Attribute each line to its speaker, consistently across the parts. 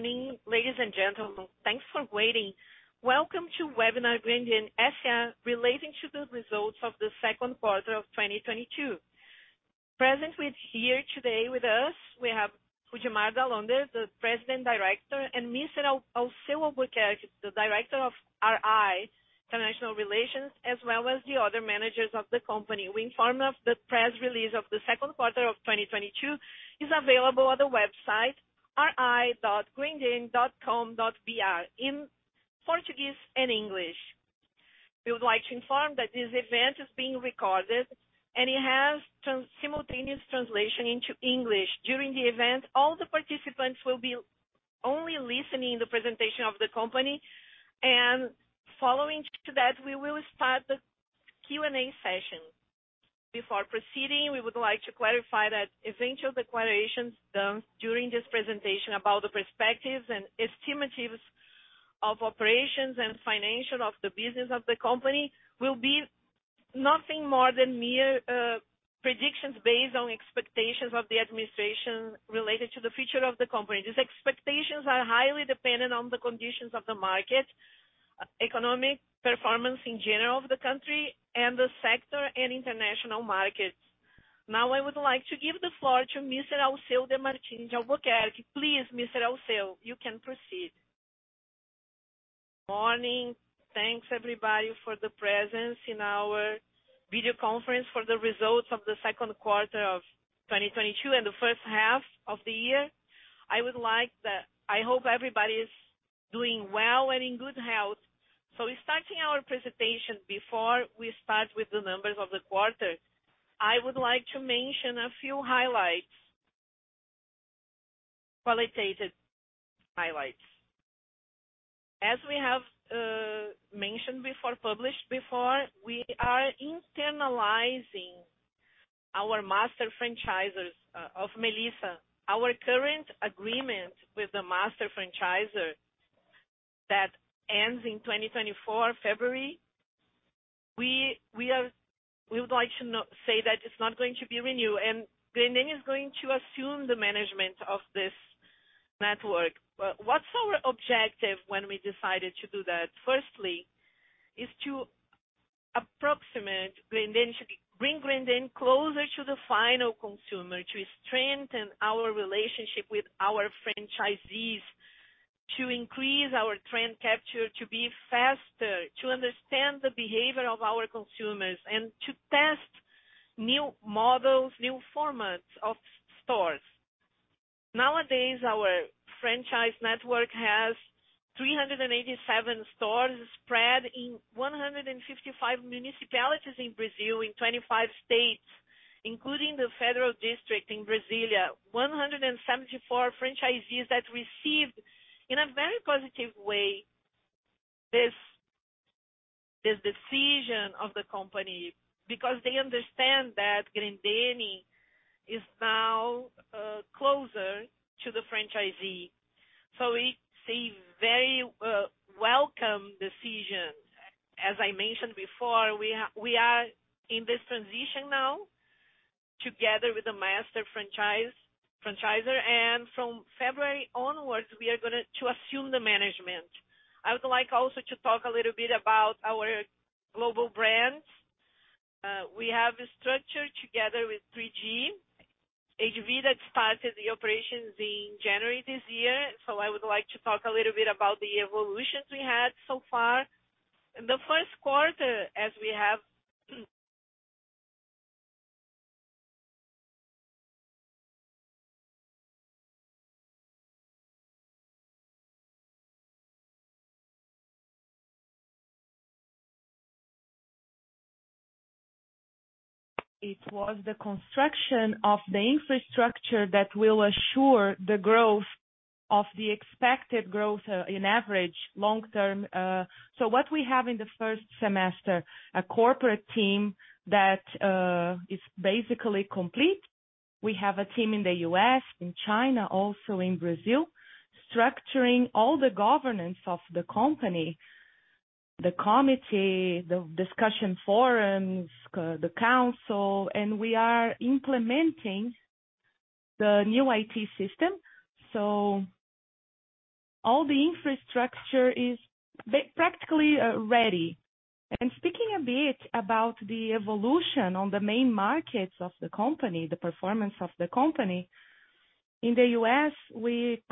Speaker 1: Morning, ladies and gentlemen. Thanks for waiting. Welcome to Webinar Grendene S.A. relating to the results of the second quarter of 2022. Present here today with us, we have Rudimar Dall'Onder, the President Director, and Mr. Alceu Demartini de Albuquerque, the Director of IR, Investor Relations, as well as the other managers of the company. We inform you that the press release of the second quarter of 2022 is available on the website ri.grendene.com.br in Portuguese and English. We would like to inform that this event is being recorded and it has simultaneous translation into English. During the event, all the participants will be only listening to the presentation of the company, and following that, we will start the Q&A session. Before proceeding, we would like to clarify that essential declarations done during this presentation about the perspectives and estimates of operations and financial of the business of the company will be nothing more than mere predictions based on expectations of the administration related to the future of the company. These expectations are highly dependent on the conditions of the market, economic performance in general of the country and the sector and international markets. Now, I would like to give the floor to Mr. Alceu Demartini de Albuquerque. Please, Mr. Alceu, you can proceed. Morning. Thanks everybody for the presence in our video conference for the results of the second quarter of 2022 and the first half of the year. I hope everybody is doing well and in good health. We're starting our presentation. Before we start with the numbers of the quarter, I would like to mention a few highlights. Qualitative highlights. As we have mentioned before, published before, we are internalizing our master franchisees of Melissa. Our current agreement with the master franchisor that ends in 2024, February. We would like to say that it's not going to be renewed, and Grendene is going to assume the management of this network. What's our objective when we decided to do that? Firstly, is to bring Grendene closer to the final consumer, to strengthen our relationship with our franchisees, to increase our trend capture, to be faster, to understand the behavior of our consumers, and to test new models, new formats of stores. Nowadays, our franchise network has 387 stores spread in 155 municipalities in Brazil, in 25 states, including the Federal District in Brasília. 174 franchisees that received, in a very positive way, this decision of the company because they understand that Grendene is now closer to the franchisee. It's a very welcome decision. As I mentioned before, we are in this transition now together with the master franchisor, and from February onwards, we are gonna to assume the management. I would like also to talk a little bit about our global brands. We have a structure together with 3G Radar that started the operations in January this year. I would like to talk a little bit about the evolutions we had so far. In the first quarter, it was the construction of the infrastructure that will assure the growth of the expected growth in average long term. What we have in the first semester is a corporate team that is basically complete. We have a team in the U.S., in China, also in Brazil, structuring all the governance of the company, the committee, the discussion forums, the council, and we are implementing the new IT system. All the infrastructure is practically ready. Speaking a bit about the evolution on the main markets of the company, the performance of the company. In the U.S., we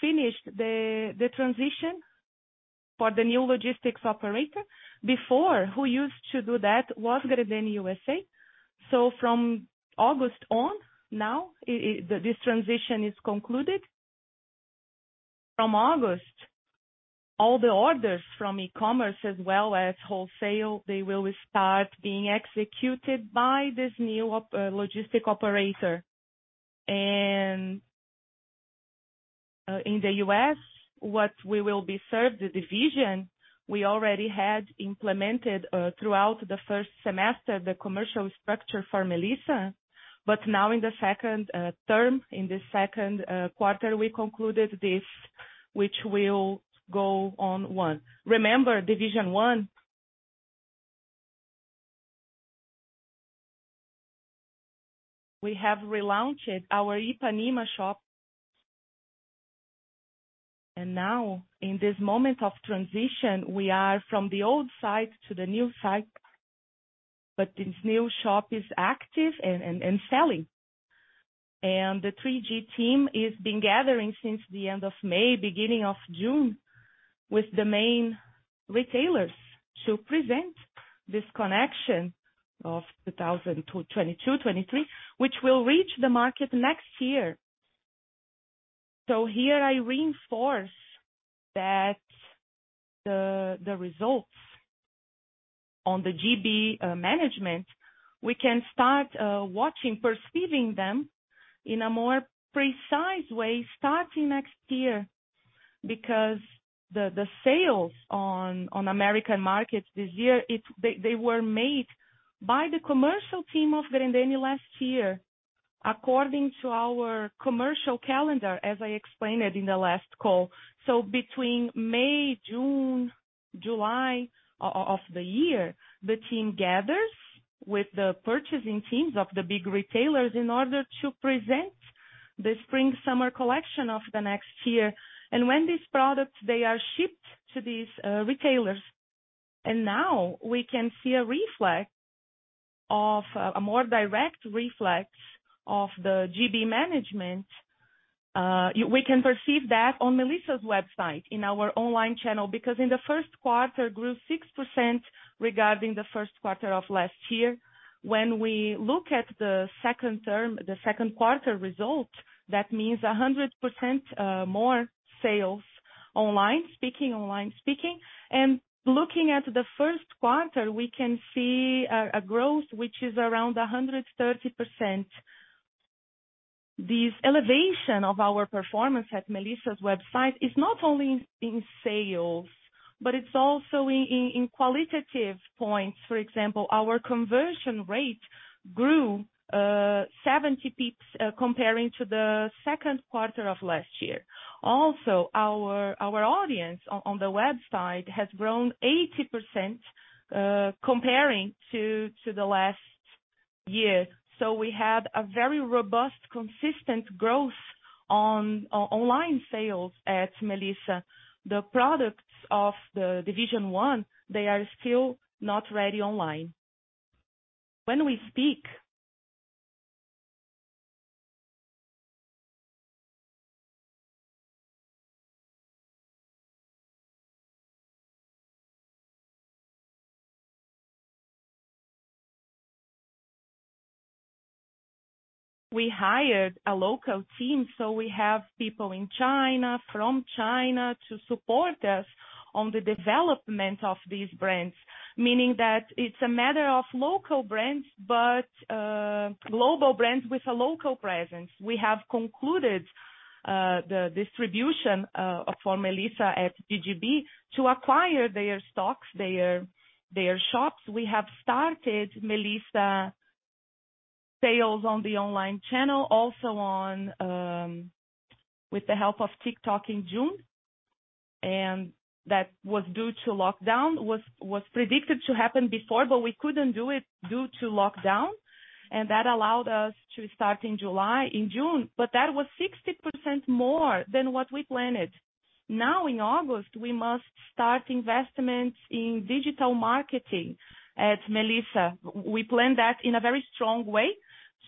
Speaker 1: finished the transition for the new logistics operator. Before, who used to do that was Grendene USA. From August on, this transition is concluded. From August, all the orders from e-commerce as well as wholesale, they will start being executed by this new logistic operator. In the U.S., what we will be served, the division we already had implemented throughout the first semester, the commercial structure for Melissa. Now in the second quarter, we concluded this, which will go on one. Remember, division one. We have relaunched our Ipanema shop. Now, in this moment of transition, we are transitioning from the old site to the new site. This new shop is active and selling. The 3G team has been gathering since the end of May, beginning of June, with the main retailers to present this collection for 2022-2023, which will reach the market next year. Here I reinforce that the results on the GGB management, we can start watching, perceiving them in a more precise way starting next year. Because the sales on American markets this year, they were made by the commercial team of Grendene last year, according to our commercial calendar, as I explained it in the last call. Between May, June, July of the year, the team gathers with the purchasing teams of the big retailers in order to present the spring/summer collection of the next year. When these products are shipped to these retailers. Now we can see a reflect of a more direct reflects of the GGB management. We can perceive that on Melissa's website, in our online channel, because in the first quarter grew 6% regarding the first quarter of last year. When we look at the second quarter results, that means 100% more sales online, speaking online. Looking at the first quarter, we can see a growth which is around 130%. This elevation of our performance at Melissa's website is not only in sales, but it's also in qualitative points. For example, our conversion rate grew 70 basis points comparing to the second quarter of last year. Also, our audience on the website has grown 80% comparing to the last year. We had a very robust, consistent growth on online sales at Melissa. The products of the division one, they are still not ready online. We hired a local team, so we have people in China, from China to support us on the development of these brands. Meaning that it's a matter of local brands, but global brands with a local presence. We have concluded the distribution for Melissa at GGB to acquire their stocks, their shops. We have started Melissa sales on the online channel, also on with the help of TikTok in June. That was due to lockdown. It was predicted to happen before, but we couldn't do it due to lockdown. That allowed us to start in July, in June, but that was 60% more than what we planned. Now in August, we must start investments in digital marketing at Melissa. We planned that in a very strong way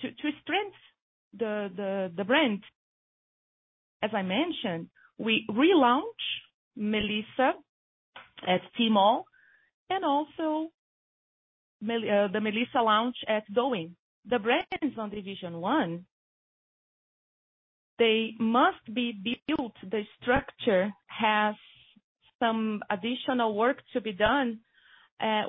Speaker 1: to strengthen the brand. As I mentioned, we relaunch Melissa at Tmall and also the Melissa launch at Douyin. The brands on division one, they must be built. The structure has some additional work to be done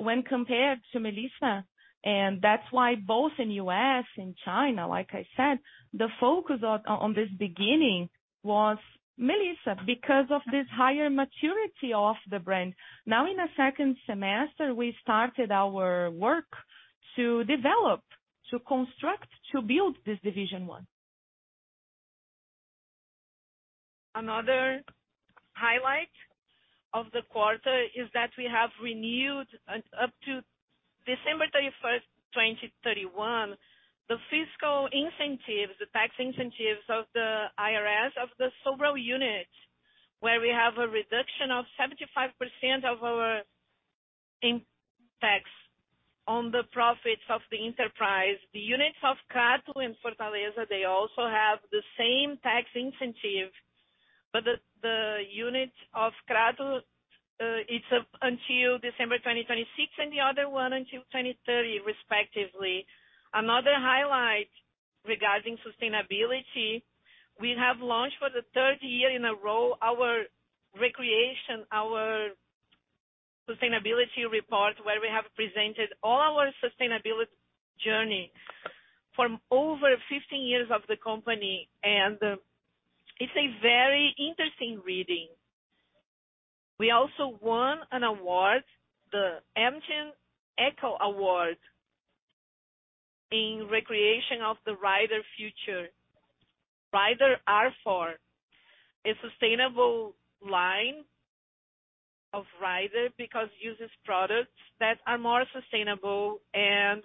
Speaker 1: when compared to Melissa. That's why both in U.S. and China, like I said, the focus on this beginning was Melissa because of this higher maturity of the brand. Now in the second semester, we started our work to develop, to construct, to build this division one. Another highlight of the quarter is that we have renewed up to December 31, 2031, the fiscal incentives, the tax incentives of the IRPJ of the Sobral unit, where we have a reduction of 75% of our income tax on the profits of the enterprise. The units of Crato and Fortaleza, they also have the same tax incentive. The unit of Crato, it's until December 2026, and the other one until 2030, respectively. Another highlight regarding sustainability, we have launched for the third year in a row our recreation, our sustainability report, where we have presented all our sustainability journey from over 15 years of the company, and it's a very interesting reading. We also won an award, the Amcham ECO Award in recognition of the Rider R4, a sustainable line. Of Rider because uses products that are more sustainable and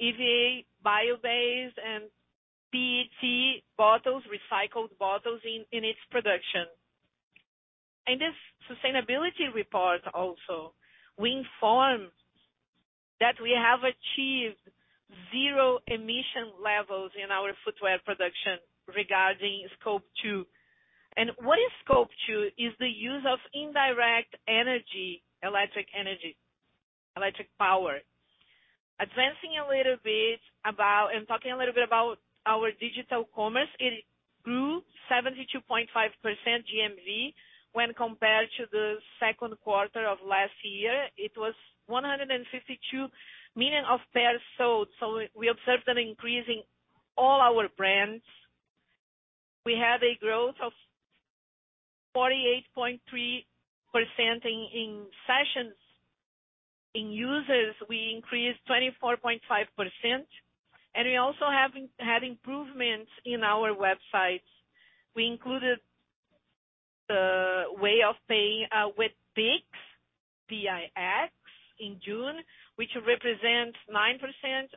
Speaker 1: EVA bio-based and PET bottles, recycled bottles in its production. In this sustainability report also, we inform that we have achieved zero emission levels in our footwear production regarding Scope 2. What is Scope 2? It is the use of indirect energy, electric energy, electric power. Advancing a little bit about and talking a little bit about our digital commerce, it grew 72.5% GMV when compared to the second quarter of last year. It was 152 million of pairs sold. We observed an increase in all our brands. We had a growth of 48.3% in sessions. In users, we increased 24.5%, and we also had improvements in our websites. We included the way of paying with Pix, P-I-X, in June, which represents 9%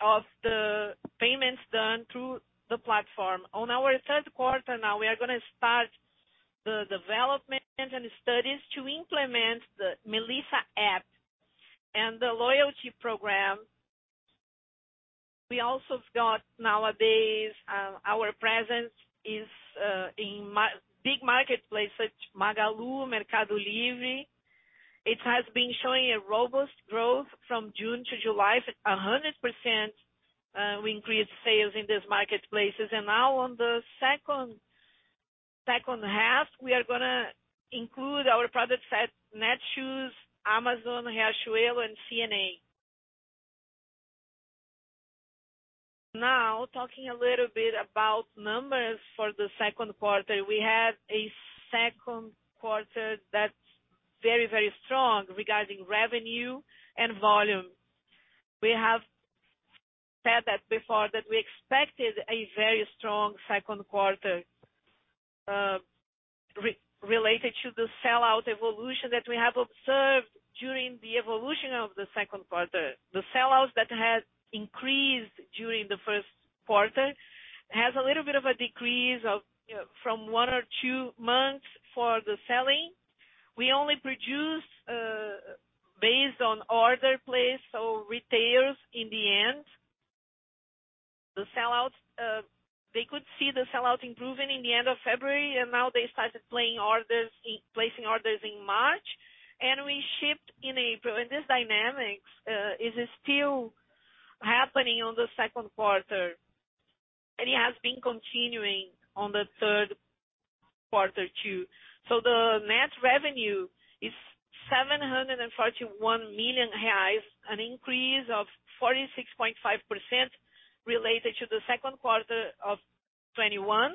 Speaker 1: of the payments done through the platform. In our third quarter now, we are gonna start the development and studies to implement the Melissa app and the loyalty program. We also got nowadays our presence is in big marketplace such Magalu, Mercado Livre. It has been showing a robust growth from June to July. At 100%, we increased sales in these marketplaces. Now on the second half, we are gonna include our products in Netshoes, Amazon, Riachuelo and C&A. Now, talking a little bit about numbers for the second quarter. We had a second quarter that's very, very strong regarding revenue and volume. We have said that before, that we expected a very strong second quarter, related to the sell-out evolution that we have observed during the evolution of the second quarter. The sell-outs that had increased during the first quarter has a little bit of a decrease of, you know, from one or two months for the selling. We only produce based on order placed, so retailers in the end. The sell-outs, they could see the sell-out improving in the end of February, and now they started placing orders in March, and we shipped in April. This dynamics is still happening on the second quarter, and it has been continuing on the third quarter too. The net revenue is 741 million reais, an increase of 46.5% related to the second quarter of 2021.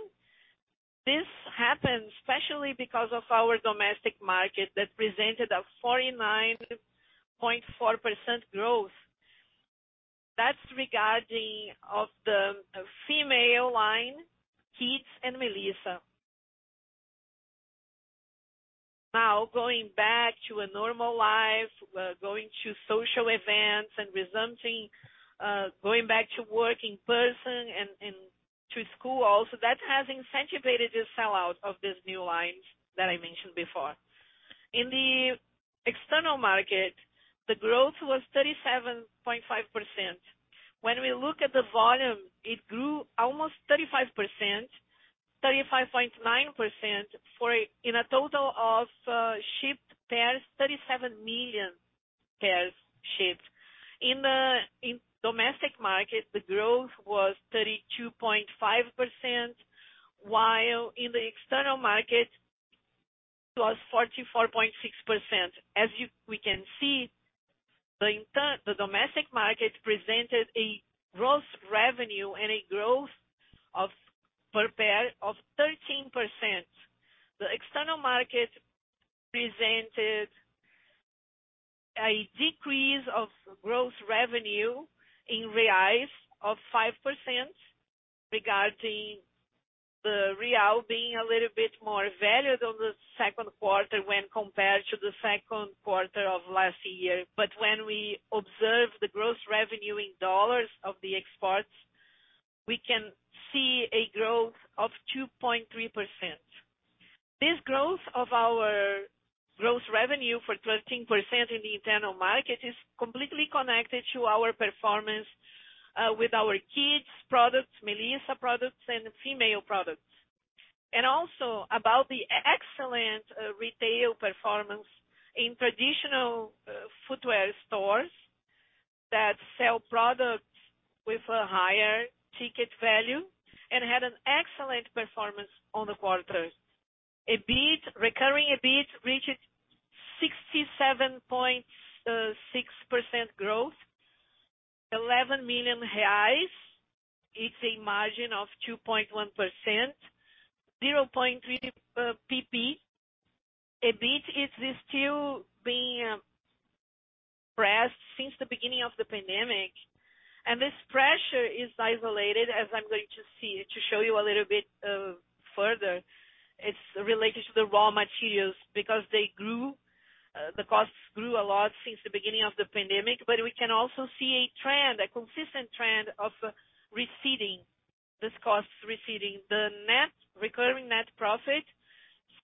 Speaker 1: This happened especially because of our domestic market that presented a 49.4% growth. That's regarding the female line, Kids and Melissa. Now, going back to a normal life, going to social events and resuming, going back to work in-person and to school also, that has incentivized the sell-out of these new lines that I mentioned before. In the external market, the growth was 37.5%. When we look at the volume, it grew almost 35%, 35.9% in a total of shipped pairs, 37 million pairs shipped. In domestic market, the growth was 32.5%, while in the external market it was 44.6%. We can see, the domestic market presented a gross revenue and a growth of per pair of 13%. The external market presented a decrease of gross revenue in BRL of 5%, regarding the real being a little bit more valued in the second quarter when compared to the second quarter of last year. When we observe the gross revenue in USD of the exports, we can see a growth of 2.3%. This growth of our gross revenue of 13% in the internal market is completely connected to our performance with our kids products, Melissa products and female products. Also about the excellent retail performance in traditional footwear stores that sell products with a higher ticket value and had an excellent performance in the quarter. Recurring EBIT reached 67.6% growth. 11 million reais. It's a margin of 2.1%, 0.3 percentage points. EBIT is still since the beginning of the pandemic. This pressure is isolated, as I'm going to show you a little bit further. It's related to the raw materials because they grew, the costs grew a lot since the beginning of the pandemic. We can also see a trend, a consistent trend of receding. These costs receding. The recurring net profit,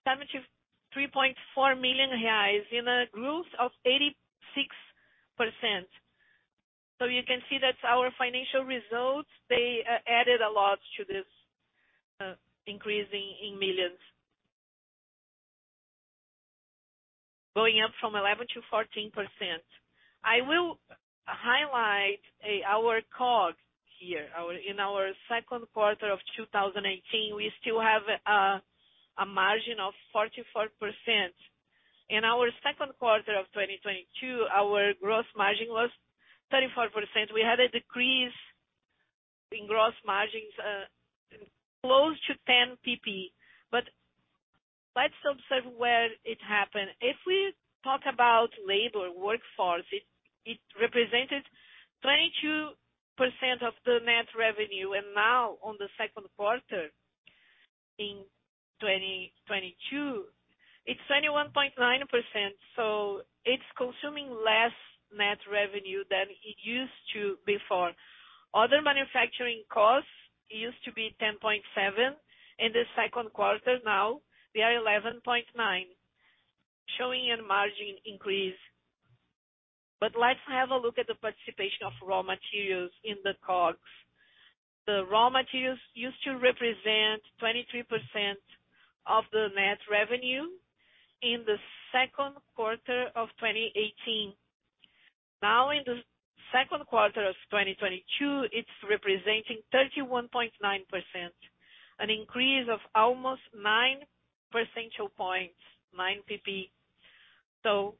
Speaker 1: 73.4 million reais in a growth of 86%. You can see that our financial results, they added a lot to this increase in millions. Going up from 11%-14%. I will highlight our COGS here. In our second quarter of 2018, we still have a margin of 44%. In our second quarter of 2022, our gross margin was 34%. We had a decrease in gross margins close to 10 percentage points. Let's observe where it happened. If we talk about labor workforce, it represented 22% of the net revenue. Now on the second quarter in 2022, it's 21.9%, so it's consuming less net revenue than it used to before. Other manufacturing costs used to be 10.7%. In the second quarter now, they are 11.9%, showing a margin increase. Let's have a look at the participation of raw materials in the COGS. The raw materials used to represent 23% of the net revenue in the second quarter of 2018. Now in the second quarter of 2022, it's representing 31.9%. An increase of almost nine percentage points, nine percentage points.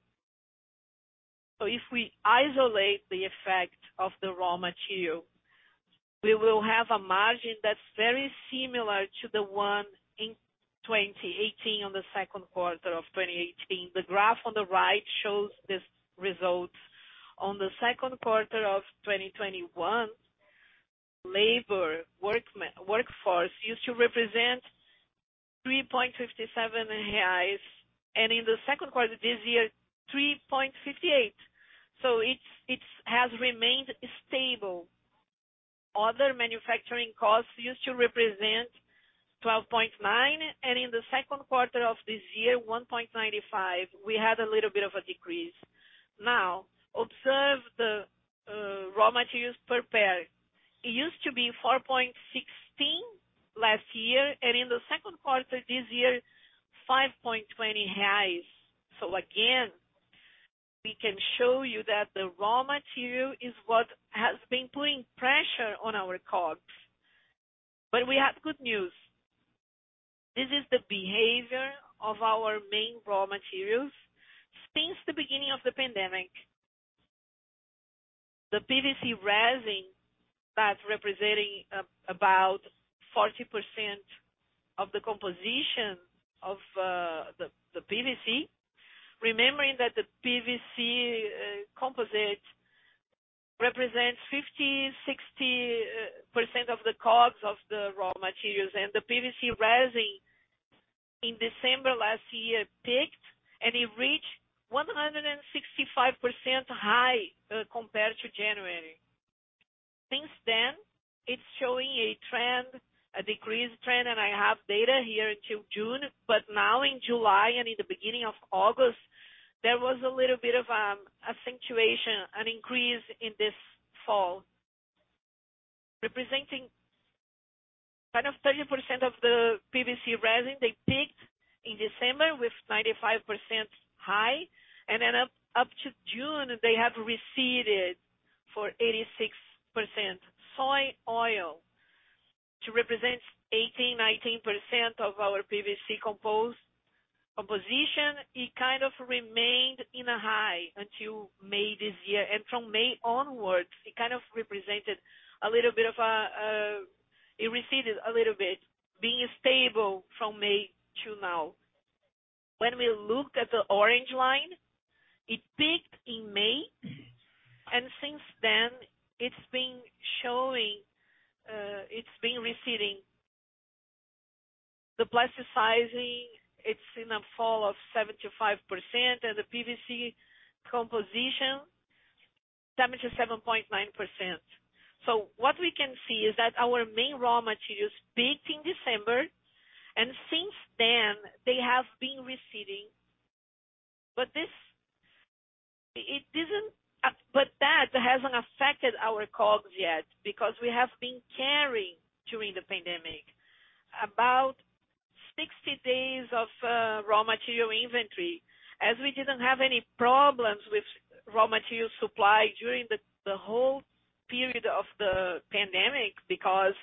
Speaker 1: If we isolate the effect of the raw material, we will have a margin that's very similar to the one in 2018, on the second quarter of 2018. The graph on the right shows these results. On the second quarter of 2021, labor workforce used to represent 3.57 reais. In the second quarter this year, 3.58. It has remained stable. Other manufacturing costs used to represent 12.9, and in the second quarter of this year, 1.95. We had a little bit of a decrease. Now, observe the raw materials per pair. It used to be 4.16 last year, and in the second quarter this year, 5.20 reais. Again, we can show you that the raw material is what has been putting pressure on our COGS. We have good news. This is the behavior of our main raw materials. Since the beginning of the pandemic, the PVC resin that's representing about 40% of the composition of the PVC. Remembering that the PVC composite represents 50, 60% of the COGS of the raw materials. The PVC resin in December last year peaked, and it reached 165% high compared to January. Since then, it's showing a trend, a decreased trend, and I have data here till June. Now in July and in the beginning of August, there was a little bit of a situation, an increase in this fall. Representing kind of 30% of the PVC resin, they peaked in December with 95% high, and then up to June, they have receded for 86%. Soy oil, which represents 18-19% of our PVC composition. It kind of remained in a high until May this year. From May onwards, it receded a little bit, being stable from May to now. When we look at the orange line, it peaked in May, and since then it's been receding. The plasticizing, it's in a fall of 75%. The PVC composition, 77.9%. What we can see is that our main raw materials peaked in December, and since then they have been receding. That hasn't affected our COGS yet because we have been carrying during the pandemic about 60 days of raw material inventory. As we didn't have any problems with raw material supply during the whole period of the pandemic because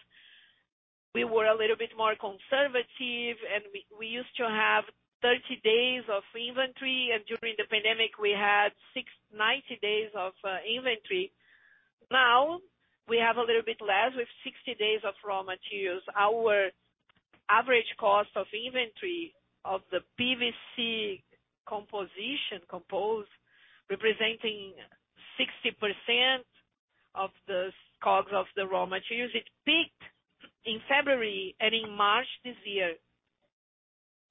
Speaker 1: we were a little bit more conservative and we used to have 30 days of inventory. During the pandemic, we had 60 days-90 days of inventory. Now we have a little bit less. We've 60 days of raw materials. Our average cost of inventory of the PVC composition composed representing 60% of the COGS of the raw materials. It peaked in February and in March this year.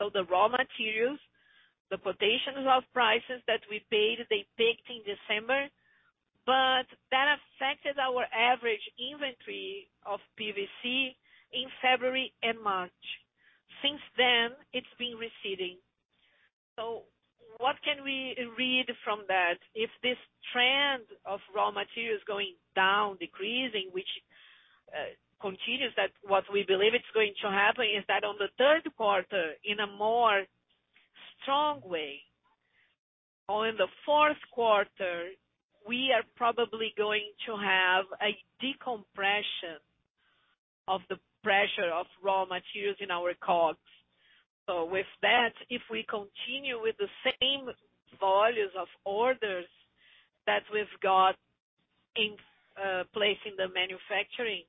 Speaker 1: The raw materials, the quotations of prices that we paid, they peaked in December, but that affected our average inventory of PVC in February and March. Since then, it's been receding. What can we read from that? If this trend of raw materials going down, decreasing, which continues, that's what we believe is going to happen is that on the third quarter, in a more strong way or in the fourth quarter, we are probably going to have a decompression of the pressure of raw materials in our COGS. With that, if we continue with the same volumes of orders that we've got in place in the manufacturing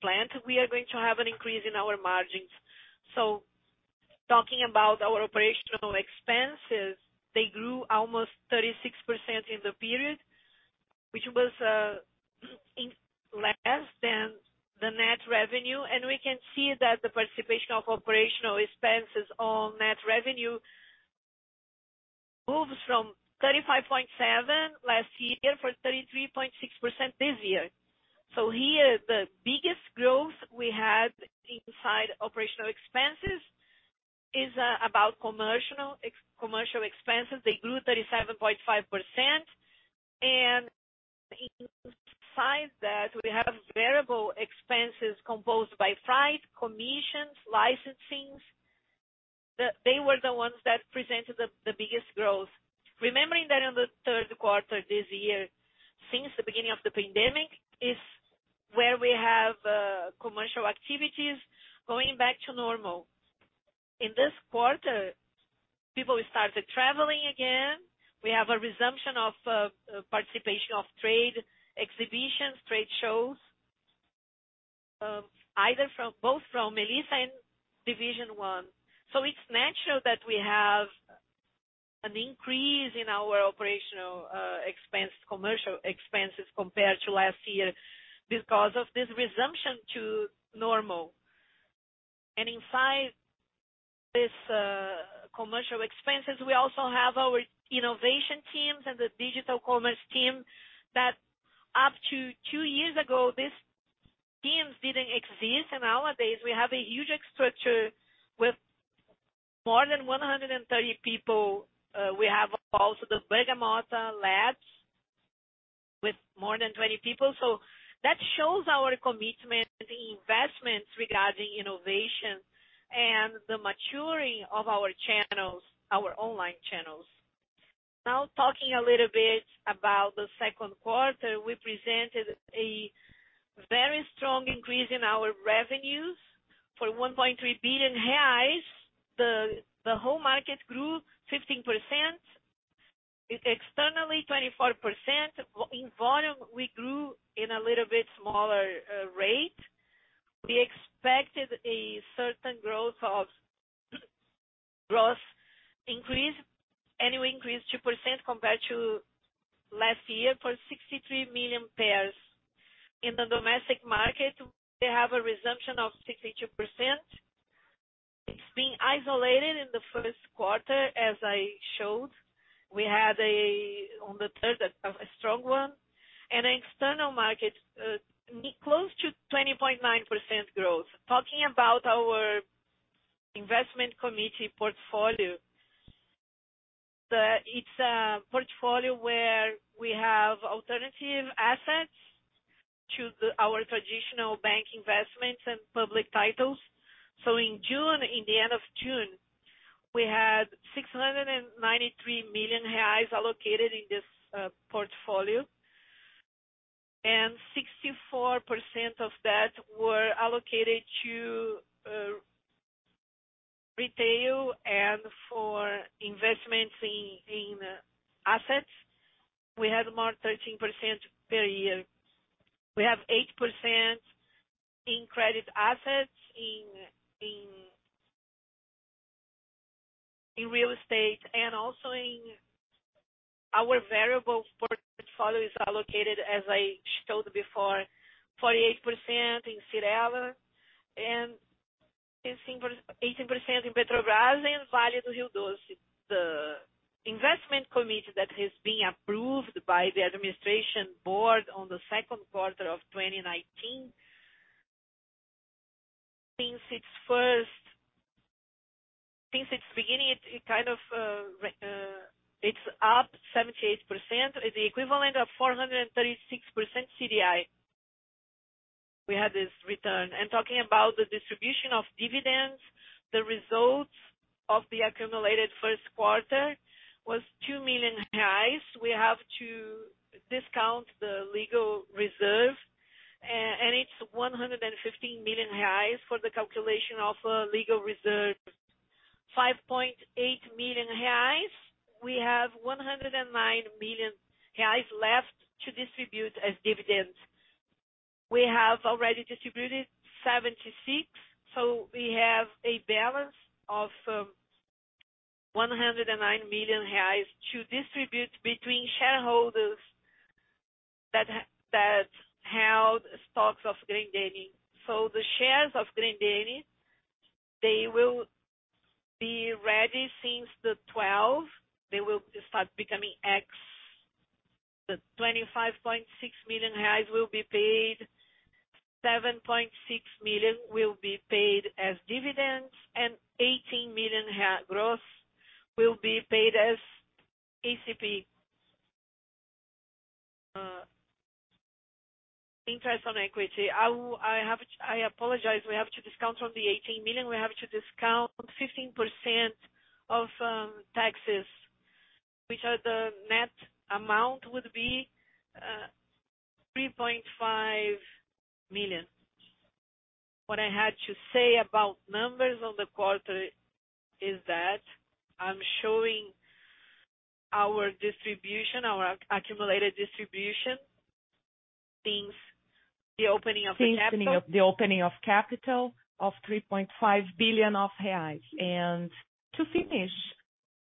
Speaker 1: plant, we are going to have an increase in our margins. Talking about our operational expenses, they grew almost 36% in the period, which was less than the net revenue. We can see that the participation of operational expenses on net revenue moves from 35.7% last year to 33.6% this year. Here, the biggest growth we had inside operational expenses is about commercial expenses. They grew 37.5%. Inside that, we have variable expenses composed by freight, commissions, licensing. They were the ones that presented the biggest growth. Remembering that in the third quarter this year, since the beginning of the pandemic, is where we have commercial activities going back to normal. In this quarter, people started traveling again. We have a resumption of participation of trade exhibitions, trade shows, both from Melissa and Division One. It's natural that we have an increase in our operational expense, commercial expenses compared to last year because of this resumption to normal. Inside this, commercial expenses, we also have our innovation teams and the digital commerce team that up to two years ago, these teams didn't exist. Nowadays we have a huge structure with more than 130 people. We have also the Bergamotta Labs with more than 20 people. That shows our commitment, the investments regarding innovation and the maturing of our channels, our online channels. Now, talking a little bit about the second quarter, we presented a very strong increase in our revenues for 1.3 billion reais. The whole market grew 15%. Externally, 24%. In volume, we grew in a little bit smaller rate. We expected a certain growth of gross increase, anyway, increased 2% compared to last year for 63 million pairs. In the domestic market, we have a resumption of 62%. It's been isolated in the first quarter, as I showed. We had, on the third, a strong one. External markets close to 20.9% growth. Talking about our investment committee portfolio. It's a portfolio where we have alternative assets to our traditional bank investments and public titles. In June, in the end of June, we had 693 million reais allocated in this portfolio, and 64% of that were allocated to retail and for investments in assets. We had more than 13% per year. We have 8% in credit assets in real estate, and also in our variable portfolio is allocated, as I showed before, 48% in Cyrela and 18% in Petrobras and Vale do Rio Doce. The investment committee that has been approved by the administration board in the second quarter of 2019. Since its beginning, it's up 78%. The equivalent of 436% CDI, we had this return. Talking about the distribution of dividends, the results of the accumulated first quarter was 2 million reais. We have to discount the legal reserve. It's 115 million reais for the calculation of a legal reserve. 5.8 million reais. We have 109 million reais left to distribute as dividends. We have already distributed 76, so we have a balance of 109 million reais to distribute between shareholders that held stocks of Grendene. The shares of Grendene, they will be ready since the 12th. They will start becoming ex. 25.6 million reais will be paid. 7.6 million will be paid as dividends. 18 million gross will be paid as JCP, interest on equity. I apologize, we have to discount from the 18 million. We have to discount 15% of taxes, which are the net amount, would be 3.5 million. What I had to say about numbers on the quarter is that I'm showing our distribution, our accumulated distribution since the opening of capital of 3.5 billion reais. To finish,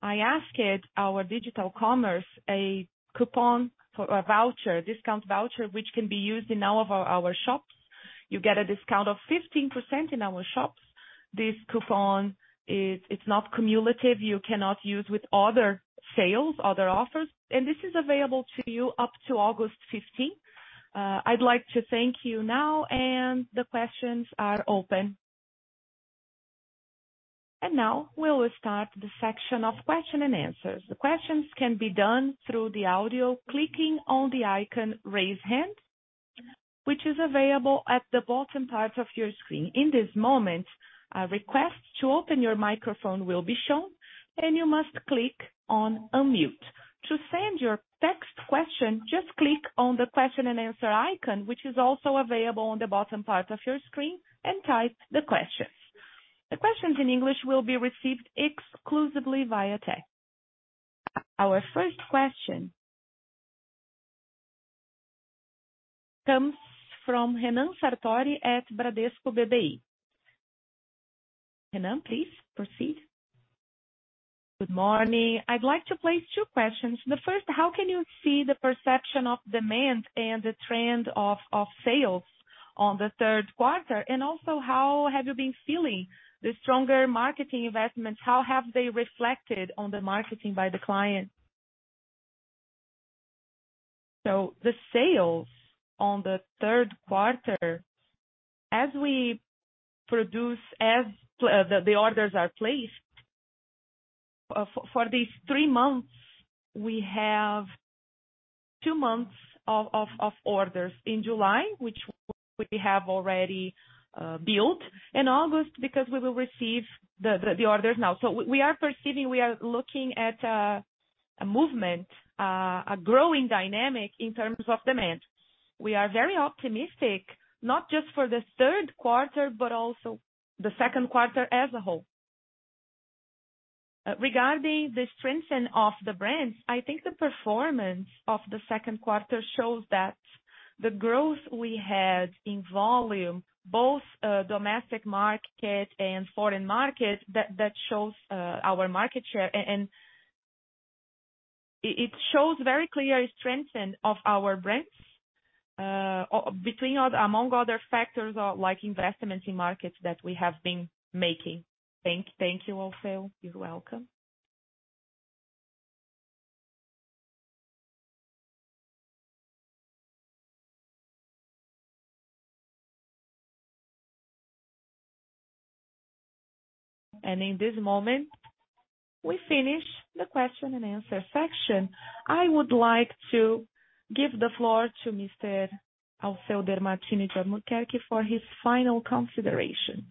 Speaker 1: I asked our digital commerce a coupon for a voucher, discount voucher, which can be used in all of our shops. You get a discount of 15% in our shops. This coupon is not cumulative. You cannot use with other sales, other offers. This is available to you up to August 15th. I'd like to thank you now, and the questions are open. Now we'll start the section of question and answers. The questions can be done through the audio, clicking on the icon Raise Hand, which is available at the bottom part of your screen. In this moment, a request to open your microphone will be shown and you must click on Unmute. To send your text question, just click on the question and answer icon, which is also available on the bottom part of your screen, and type the questions. The questions in English will be received exclusively via text. Our first question comes from Renan Sartori at Bradesco BBI. Renan, please proceed. Good morning. I'd like to place two questions. The first, how can you see the perception of demand and the trend of sales on the third quarter? And also, how have you been feeling the stronger marketing investments, how have they reflected on the marketing by the client? The sales on the third quarter, as we produce, the orders are placed for these three months, we have two months of orders. In July, which we have already built. In August, because we will receive the orders now. So we are perceiving, we are looking at a movement, a growing dynamic in terms of demand. We are very optimistic, not just for the third quarter, but also the second quarter as a whole. Regarding the strengthening of the brands, I think the performance of the second quarter shows that the growth we had in volume, both domestic market and foreign market, that shows our market share. And it shows very clear strengthening of our brands, among other factors, like investments in markets that we have been making. Thank you, Alceu. You're welcome. In this moment we finish the question and answer section. I would like to give the floor to Mr. Alceu Demartini de Albuquerque for his final considerations.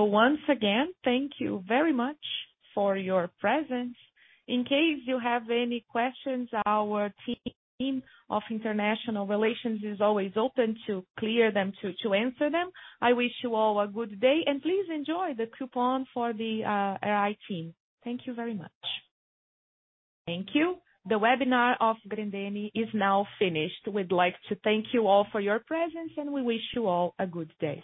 Speaker 1: Once again, thank you very much for your presence. In case you have any questions, our team of investor relations is always open to clarify them, to answer them. I wish you all a good day and please enjoy the coupon for the RI team. Thank you very much. Thank you. The webinar of Grendene is now finished. We'd like to thank you all for your presence, and we wish you all a good day.